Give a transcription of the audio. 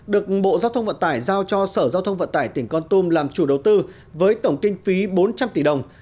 được bộ giao thông vận tải giao cho sở giao thông vận tải tỉnh con tum làm chủ đầu tư với tổng kinh phí bốn trăm linh tỷ đồng